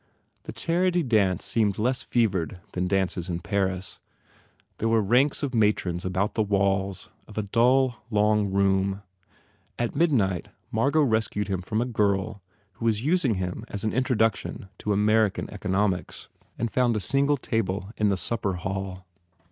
The charity dance seemed less fevered than dances in Paris. There were ranks of matrons about the walls of a dull, long room. At mid night M argot rescued him from a girl who was using him as an introduction to American eco nomics and found a single table in the supper hall.